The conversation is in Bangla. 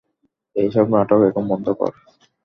এসব নাটক এখন বন্ধ কর।